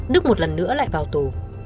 đức một lần nữa lại vào tù